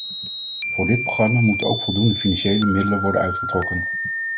Voor dit programma moeten ook voldoende financiële middelen worden uitgetrokken.